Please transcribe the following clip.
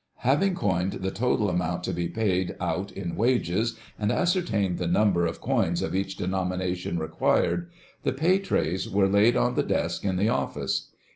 Having coined the total amount to be paid out in wages, and ascertained the number of coins of each denomination required, the pay trays were laid on the desk in the Office.